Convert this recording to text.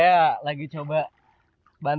ini adalah langkah yang mereka lakukan